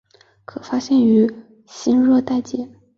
可发现于新热带界。